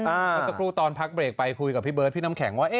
เมื่อสักครู่ตอนพักเบรกไปคุยกับพี่เบิร์ดพี่น้ำแข็งว่า